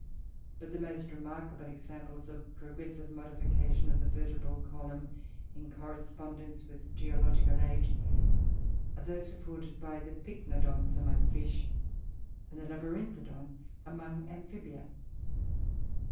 But the most remarkable examples of progressive modification of the vertebral column, in correspondence with geological age, are those afforded by the Pycnodonts among fish, and the Labyrinthodonts among Amphibia.